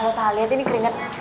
loh saya liat ini keringet